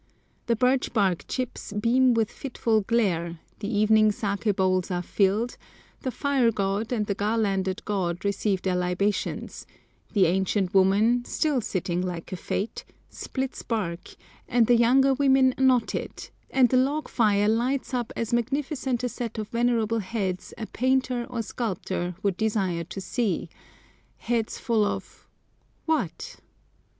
The birch bark chips beam with fitful glare, the evening saké bowls are filled, the fire god and the garlanded god receive their libations, the ancient woman, still sitting like a Fate, splits bark, and the younger women knot it, and the log fire lights up as magnificent a set of venerable heads as painter or sculptor would desire to see,—heads, full of—what?